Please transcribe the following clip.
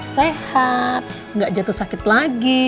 sehat nggak jatuh sakit lagi